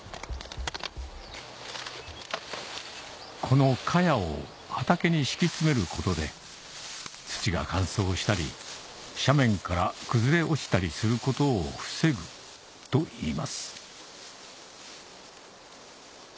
このカヤを畑に敷き詰めることで土が乾燥したり斜面から崩れ落ちたりすることを防ぐといいます